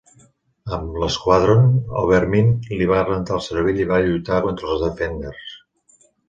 Amb l'Squadron, Overmind li va rentar el cervell i va lluitar contra els Defenders.